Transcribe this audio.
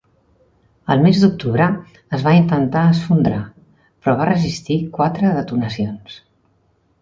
Al mes d'octubre es va intentar esfondrar, però va resistir quatre detonacions.